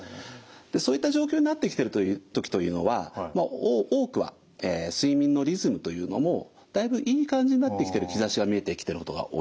そういった状況になってきてる時というのは多くは睡眠のリズムというのもだいぶいい感じになってきてる兆しが見えてきてることが多いです。